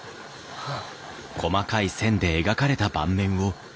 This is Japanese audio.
はあ。